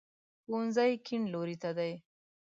ښوونځی کیڼ لوري ته دی